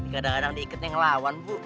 kadang kadang diiketnya ngelawan bu